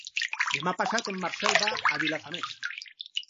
Demà passat en Marcel va a Vilafamés.